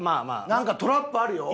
なんかトラップあるよ。